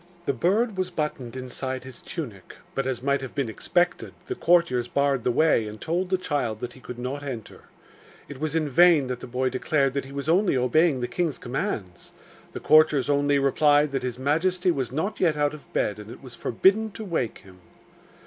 The bird was buttoned inside his tunic, but, as might have been expected, the courtiers barred the way, and told the child that he could not enter. It was in vain that the boy declared that he was only obeying the king's commands; the courtiers only replied that his majesty was not yet out of bed, and it was forbidden to wake him.